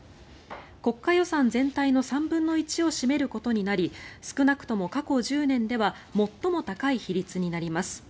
国家予算全体の３分の１を占めることになり少なくとも過去１０年では最も高い比率になります。